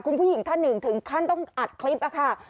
คุณผู้หญิงท่านหนึ่งถึงขั้นต้องอัดคลิปค่ะ